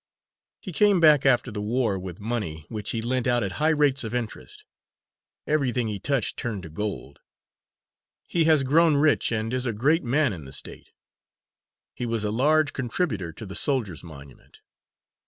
He came back after the war, with money, which he lent out at high rates of interest; everything he touched turned to gold; he has grown rich, and is a great man in the State. He was a large contributor to the soldiers' monument."